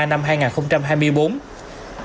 nguyễn huệ tết hai nghìn hai mươi bốn